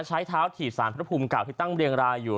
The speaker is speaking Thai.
ใช้เท้าถี่สารพระภูมิเก่าที่ตั้งเรียงรายอยู่